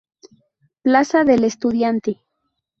Plaza del Estudiante.